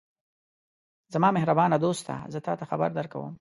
زما مهربانه دوسته! زه تاته خبر درکوم.